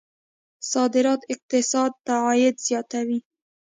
صادرات اقتصاد ته عاید زیاتوي.